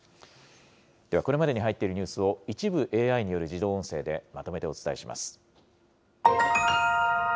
では、これまでに入っているニュースを、一部ＡＩによる自動音声でまとめてお伝えします。